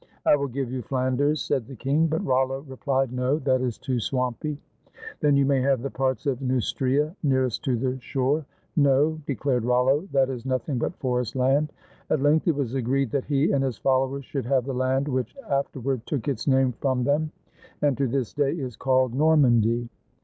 "I will give you Flanders," said the king; but Rollo re plied, "No, that is too swampy." "Then you may have the parts of Neustria nearest to the shore." "No," declared Rollo, "that is nothing but forest land." At length it was agreed that he and his followers should have the land which afterward took its name from them 171 FRANCE and to this day is called Normandy.